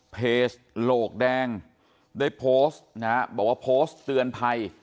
โหลกแดงได้โพสต์นะฮะบอกว่าโพสต์เตือนภัย